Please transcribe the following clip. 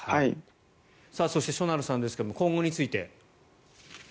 そしてしょなるさんですが今後について。